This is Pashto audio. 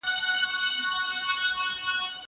زه کولای سم کتابونه وړم!!